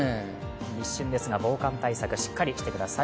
立春ですが防寒対策しっかりしてください。